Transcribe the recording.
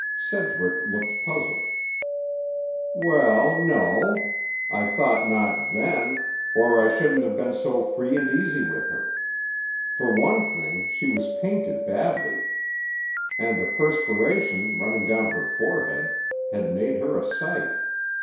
Sedgwick looked puzzled. "Well, no. I thought not, then, or I shouldn't have been so free and easy with her. For one thing, she was painted badly, and the perspiration, running down her forehead, had made her a sight.